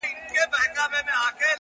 گرانه شاعره لږ څه يخ دى كنه-